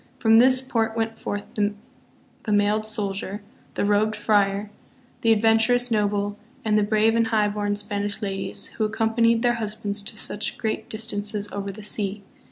From this port went forth the mailed soldier, the robed friar, the adventurous noble, and the brave and highborn Spanish ladies, who accompanied their husbands to such great distances over the sea.